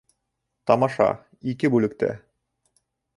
Тамаша, ике бүлектә